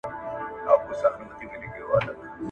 ایا ته به ما له درده وژغورې؟